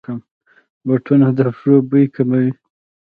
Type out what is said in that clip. بوټونه د پښو بوی کموي.